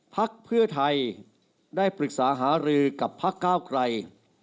พักเพื่อไทยได้ปรึกษาหารือกับพักก้าวไกร